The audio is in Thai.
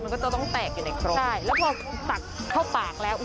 มันก็ต้องแตกอยู่ในกรบใช่แล้วพอสักเข้าไปก็ปากแล้ว